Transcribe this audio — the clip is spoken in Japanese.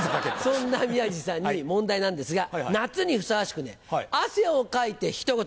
そんな宮治さんに問題なんですが夏にふさわしくね「汗をかいて一言」